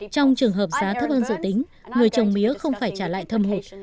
trong trường hợp giá thấp hơn dự tính người trồng mía không phải trả lại thâm hụt